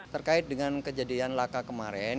terkait dengan kejadian laka kemarin